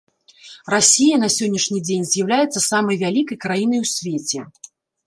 Расія на сённяшні дзень з'яўляецца самай вялікай краінай у свеце.